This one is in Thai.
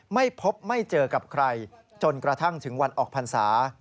ไม่พบไม่เจอกับใครจนกระทั่งถึงวันออกพรรษา